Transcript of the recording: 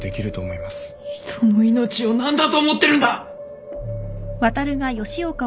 人の命を何だと思ってるんだ！